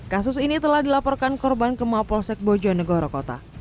kasus ini telah dilaporkan korban ke mapolsek bojonegoro kota